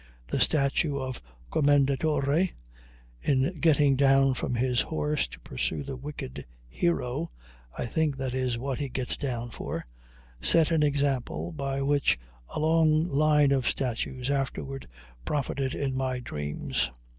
The statue of the Commendatore, in getting down from his horse to pursue the wicked hero (I think that is what he gets down for), set an example by which a long line of statues afterward profited in my dreams.